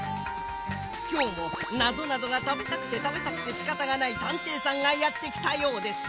きょうもなぞなぞがたべたくてたべたくてしかたがないたんていさんがやってきたようです。